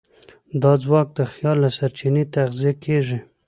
دا ځواک د خیال له سرچینې تغذیه کېږي.